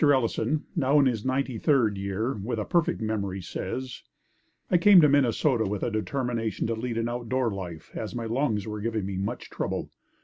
Ellison now in his ninety third year, with a perfect memory says: I came to Minnesota with a determination to lead an outdoor life as my lungs were giving me much trouble.